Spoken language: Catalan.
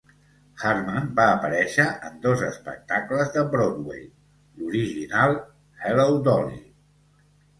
Hartmann va aparèixer en dos espectacles de Broadway: l'original "Hello, Dolly!"